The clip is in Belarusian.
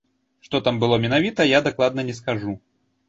Што там было менавіта, я дакладна не скажу.